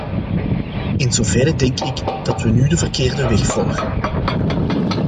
In zoverre denk ik dat we nu de verkeerde weg volgen.